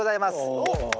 おっ。